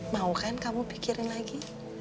mau kan kamu pikirin lagi